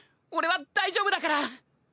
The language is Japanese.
俺は大丈夫だから。